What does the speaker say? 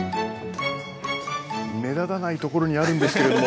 目立たないところにあるんですけれども。